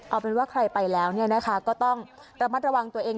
เอาเป็นว่าใครไปแล้วเนี่ยนะคะก็ต้องระมัดระวังตัวเอง